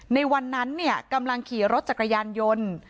ในวันนั้นเนี่ยกำลังขี่รถจักรยานยนต์